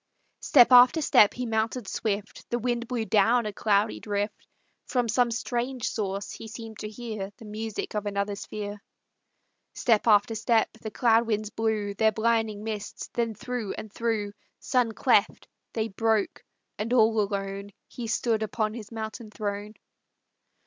Step after step he mounted swift; The wind blew down a cloudy drift; From some strange source he seemed to hear The music of another sphere. Step after step; the cloud winds blew Their blinding mists, then through and through Sun cleft, they broke, and all alone He stood upon his mountain throne.